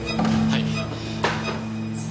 はい。